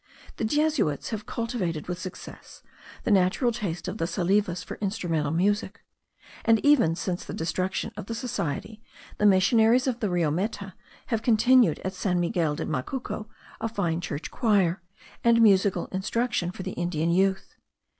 The Jesuits have cultivated with success the natural taste of the Salives for instrumental music; and even since the destruction of the society, the missionaries of Rio Meta have continued at San Miguel de Macuco a fine church choir, and musical instruction for the Indian youth.